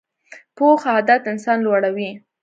پوخ عادت انسان لوړوي